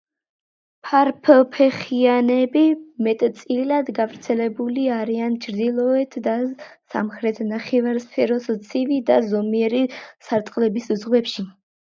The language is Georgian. ფარფლფეხიანები მეტწილად გავრცელებული არიან ჩრდილოეთ და სამხრეთ ნახევარსფეროს ცივი და ზომიერი სარტყლების ზღვებში.